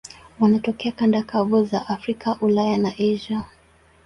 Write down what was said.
Wanatokea kanda kavu za Afrika, Ulaya na Asia.